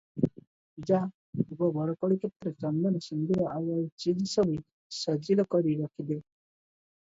ଯା, ଦୂବ ବରକୋଳିପତ୍ର ଚନ୍ଦନ ସିନ୍ଦୂର ଆଉ ଆଉ ଚିଜ ସବୁ ସଜିଲ କରି ରଖି ଦେ ।